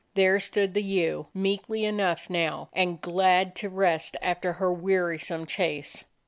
There stood the ewe, meekly enough now, and glad to rest after her wearisome chase.